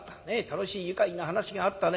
楽しい愉快な話があったね」